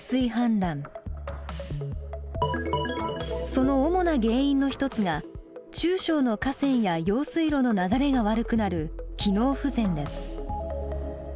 その主な原因の一つが中小の河川や用水路の流れが悪くなる機能不全です。